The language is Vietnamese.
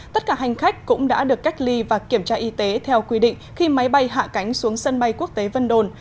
tất cả hành khách cũng đã được cách ly và kiểm tra y tế theo quy định khi máy bay hạ cánh xuống sân bay quốc tế vân đồn